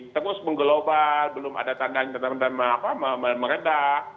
terus mengglobal belum ada tanda yang meredah